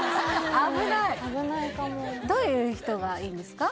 危ないどういう人がいいんですか？